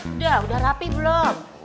udah udah rapi belum